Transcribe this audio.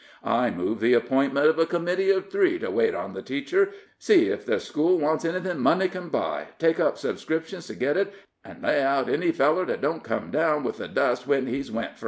"I move the appointment uv a committee of three to wait on the teacher, see if the school wants anything money can buy, take up subscriptions to git it, an' lay out any feller that don't come down with the dust when he's went fur."